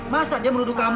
masa dia menuduh kamu